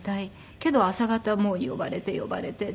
けど朝方もう呼ばれて呼ばれて。